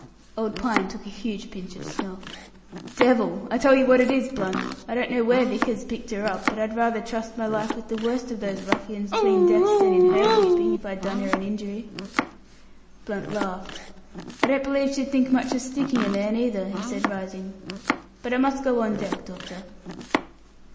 Old Pine took a huge pinch of snuff. "Devil! I tell you what it is, Blunt. I don't know where Vickers picked her up, but I'd rather trust my life with the worst of those ruffians 'tween decks, than in her keeping, if I'd done her an injury." Blunt laughed. "I don't believe she'd think much of sticking a man, either!" he said, rising. "But I must go on deck, doctor."